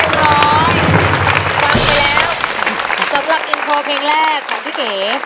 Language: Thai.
ฟังไปแล้วสำหรับอินโทรเพลงแรกของพี่เก๋